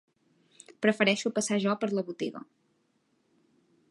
Prefereixo passar jo per la botiga.